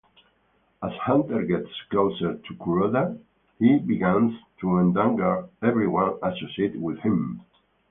As Hunter gets closer to Kuroda, he begins to endanger everyone associated with him.